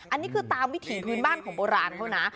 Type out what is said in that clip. อันนี้คือตามวิถีพื้นบ้านของโบราณเขานะ